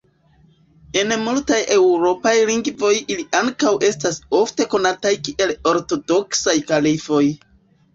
En multaj eŭropaj lingvoj ili ankaŭ estas ofte konataj kiel ortodoksaj kalifoj.